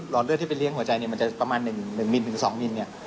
รอนเลือดที่ไปเรียงหัวใจจะประมาณ๑มิลลิเมตรถึง๒มิลลิเมตร